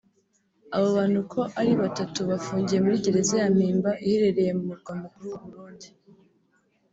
Aba bantu uko ari batatu bafungiye muri Gereza ya Mpimba iherereye mu murwa Mukuru w’u Burundi